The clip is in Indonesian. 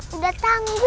ige dua sampai lu yuk